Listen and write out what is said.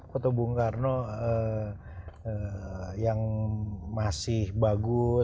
foto bung karno yang masih bagus gitu ya